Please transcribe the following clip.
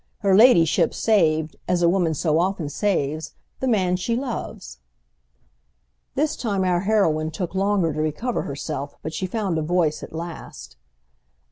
Her ladyship saved—as a woman so often saves!—the man she loves." This time our heroine took longer to recover herself, but she found a voice at last.